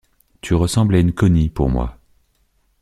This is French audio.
Tu ressembles à une Connie pour moi.